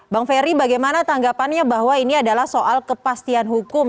bang ferry bagaimana tanggapannya bahwa ini adalah soal kepastian hukum